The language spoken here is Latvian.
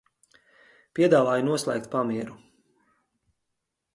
Piedāvāju noslēgt pamieru.